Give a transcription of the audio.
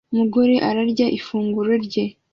Umugore ararya ifunguro rye